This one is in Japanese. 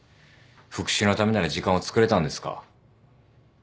復讐のためなら時間をつくれたんですか？